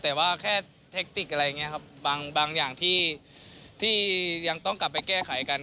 แต่ว่าแค่เทคติกอะไรอย่างนี้ครับบางอย่างที่ยังต้องกลับไปแก้ไขกัน